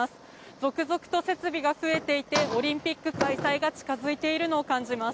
続々と設備が増えていてオリンピック開催が近づいているのを感じます。